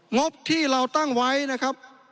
งบที่เราตั้งไว้นะครับ